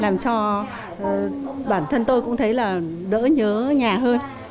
mà bản thân tôi cũng thấy là đỡ nhớ nhà hơn